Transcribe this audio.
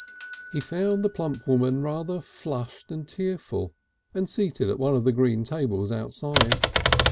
He found the plump woman rather flushed and tearful, and seated at one of the green tables outside.